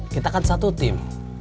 kita kan satu tim